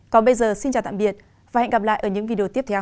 còn bây giờ xin chào tạm biệt và hẹn gặp lại ở những video tiếp theo